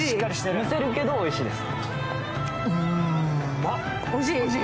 むせるけど、おいしいです。